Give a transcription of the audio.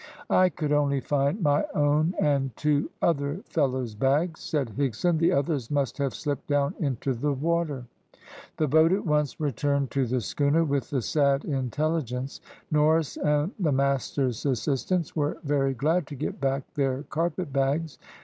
"I could only find my own and two other fellows' bags," said Higson. "The others must have slipped down into the water." The boat at once returned to the schooner with the sad intelligence. Norris and the master's assistant were very glad to get back their carpet bags.